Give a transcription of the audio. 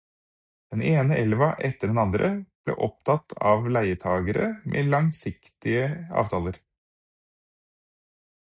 Den ene elva etter den andre ble opptatt av leietagere med langsiktige avtaler.